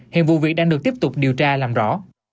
hiện vụ việc đang được tiếp tục điều tra làm rõ